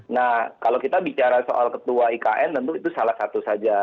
nah kalau kita bicara soal ketua ikn tentu itu salah satu saja